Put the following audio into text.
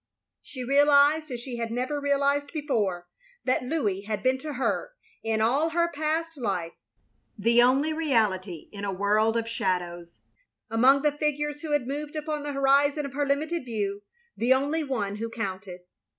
She realised as she had never realised be fore that Louis had been to her, in all her past life, the only reality in a world of shadows. Among the figures who had moved upon the horizon of her limited view, the only one who counted.